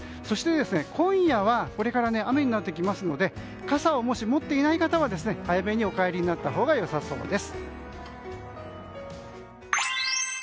そして、今夜はこれから雨になってきますので傘をもし、持っていない方は早めにお帰りになったほうが良さそうです。